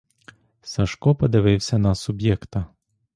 Сашко подивився на суб'єкта.